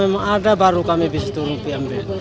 kalau memang ada baru kami bisa turun ambil